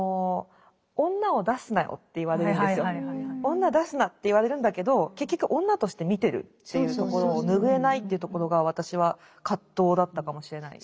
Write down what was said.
女出すなって言われるんだけど結局女として見てるっていうところを拭えないっていうところが私は葛藤だったかもしれないです。